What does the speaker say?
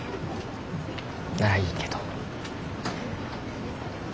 ならいいけど。